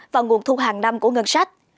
và nguồn thu hàng năm của ngân sách